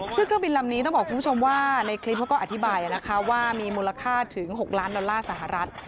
ซึ่งเครื่องบินลำนี้ต้องบอกคุณผู้ชมว่าในคลิปเขาก็อธิบายนะคะว่ามีมูลค่าถึง๖ล้านดอลลาร์สหรัฐ